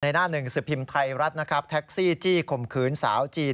ในหน้าหนึ่งสินพิมพ์ไทรรัฐอาจารย์อายุ๔๒ปีแน็กซี่ขมขืนสาวจีน